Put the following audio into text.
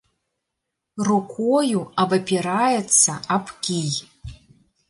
Рукою абапіраецца аб кій.